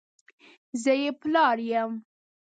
زه یې پلار یم !